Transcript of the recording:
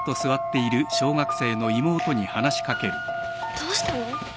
どうしたの？